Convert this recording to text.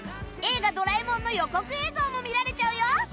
『映画ドラえもん』の予告映像も見られちゃうよ